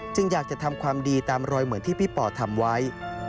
อยากจะทำความดีตามรอยเหมือนที่พี่ป่อทำไว้